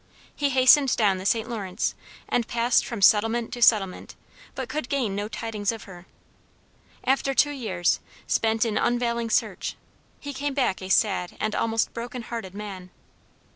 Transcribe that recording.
He hastened down the St. Lawrence and passed from settlement to settlement, but could gain no tidings of her. After two years, spent in unavailing search, he came back a sad and almost broken hearted man.